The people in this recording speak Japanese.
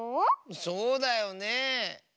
そうだよねえ。